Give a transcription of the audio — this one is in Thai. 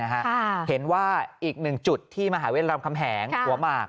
เห็นว่าอีกหนึ่งจุดที่มหาวิทยาลำคำแหงหัวหมาก